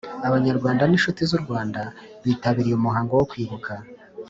Abanyarwanda n inshuti z u Rwanda bitabiriye umuhango wo kwibuka